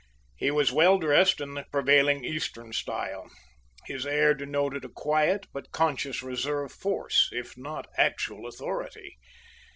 He was well dressed in the prevailing Eastern style. His air denoted a quiet but conscious reserve force, if not actual authority.